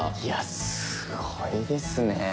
いやすごいですね。